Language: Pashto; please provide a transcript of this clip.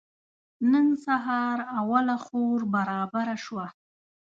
نن سهار اوله خور رابره شوه.